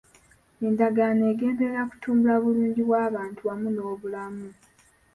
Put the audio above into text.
Endagaano egenderera kutumbula bulungi bw'abantu wamu n'obulamu.